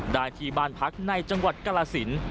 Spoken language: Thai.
ได้ที่บ้านพักในจังหวัดกรสิน